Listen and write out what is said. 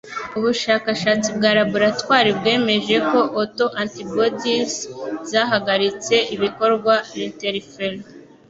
Ubushakashatsi bwa laboratoire bwemeje ko auto-antibodies zahagaritse ibikorwa-I interferon.